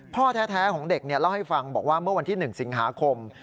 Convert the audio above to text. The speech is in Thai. พ่อแท้ของเด็กเล่าให้ฟังบอกว่าเมื่อวันที่๑สิงหาคม